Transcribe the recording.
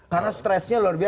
karena stresnya luar biasa